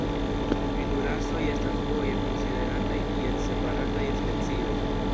Tiuj du rasoj estas foje konsiderataj kiel separataj specioj.